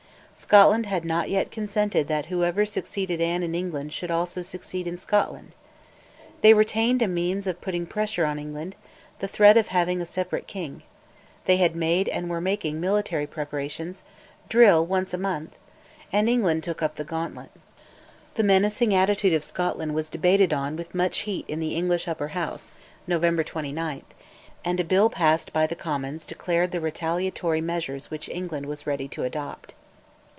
Scotland had not yet consented that whoever succeeded Anne in England should also succeed in Scotland. They retained a means of putting pressure on England, the threat of having a separate king; they had made and were making military preparations (drill once a month!), and England took up the gauntlet. The menacing attitude of Scotland was debated on with much heat in the English Upper House (November 29), and a Bill passed by the Commons declared the retaliatory measures which England was ready to adopt.